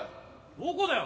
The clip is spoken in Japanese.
どこだよ？